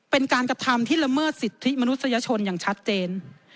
เป็นการกระทำที่ละเมิดสิทธิมนุษยชนอย่างชัดเจน